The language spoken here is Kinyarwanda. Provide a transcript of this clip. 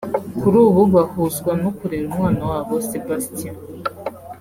kuri ubu bahuzwa no kurera umwana wabo Sebastian